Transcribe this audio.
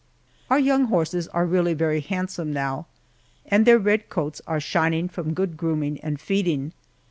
Our young horses are really very handsome now, and their red coats are shining from good grooming and feeding.